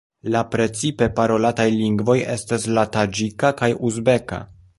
La precipe parolataj lingvoj estas la taĝika kaj uzbeka.